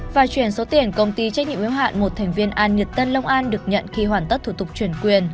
và chuyển số tiền công ty trách nhiệm yếu hạn một thành viên an nhật tân long an được nhận khi hoàn tất thủ tục chuyển quyền